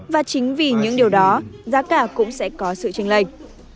và chính vì những điều đó giá cả cũng sẽ có sự tranh lệch